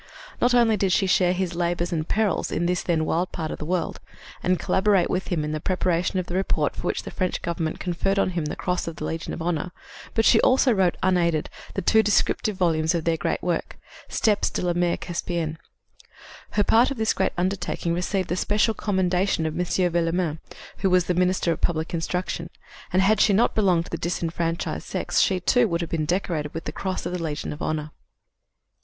Not only did she share his labors and perils in this then wild part of the world, and collaborate with him in the preparation of the report for which the French government conferred on him the Cross of the Legion of Honor, but she also wrote unaided the two descriptive volumes of their great work, Steppes de la Mer Caspienne. Her part of this great undertaking received the special commendation of M. Villemain, who was the minister of public instruction, and had she not belonged to the disenfranchized sex, she, too, would have been decorated with the Cross of the Legion of Honor.